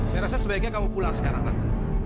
saya rasa sebaiknya kamu pulang sekarang kan